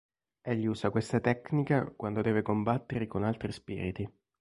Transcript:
Egli usa questa tecnica quando deve combattere con altri spiriti.